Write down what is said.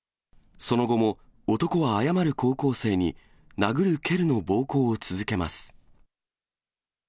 その後も男は謝る高校生に殴る蹴るの暴行を続けます。